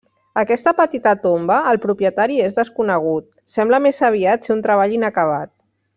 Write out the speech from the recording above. Aquesta petita tomba, el propietari és desconegut, sembla més aviat ser un treball inacabat.